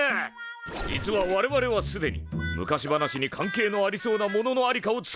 実は我々はすでに昔話に関係のありそうなもののありかをつかんでいる。